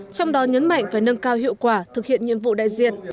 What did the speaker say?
trong đó nhấn mạnh phải nâng cao hiệu quả thực hiện nhiệm vụ đại diện